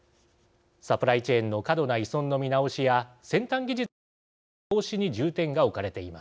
サプライチェーンの過度な依存の見直しや先端技術の流出防止に重点が置かれています。